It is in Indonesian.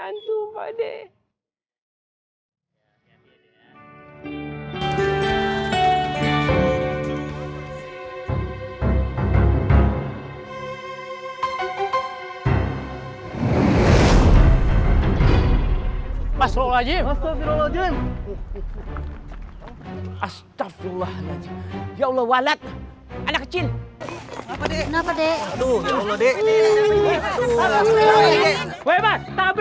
astagfirullahaladzim astagfirullahaladzim astagfirullahaladzim ya allah walet anak kecil